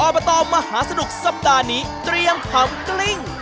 บตมหาสนุกสัปดาห์นี้เตรียมขำกลิ้ง